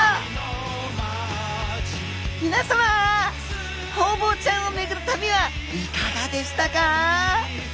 皆さまホウボウちゃんを巡る旅はいかがでしたか？